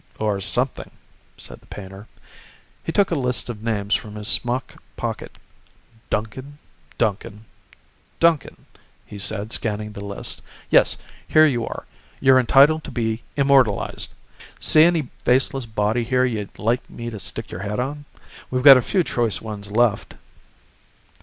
"Or something," said the painter. He took a list of names from his smock pocket. "Duncan, Duncan, Duncan," he said, scanning the list. "Yes here you are. You're entitled to be immortalized. See any faceless body here you'd like me to stick your head on? We've got a few choice ones left."